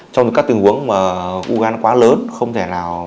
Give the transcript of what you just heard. trong các tình huống mà ung thư gan quá lớn không thể nào